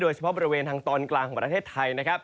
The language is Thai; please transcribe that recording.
เฉพาะบริเวณทางตอนกลางของประเทศไทยนะครับ